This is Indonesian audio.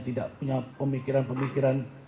tidak punya pemikiran pemikiran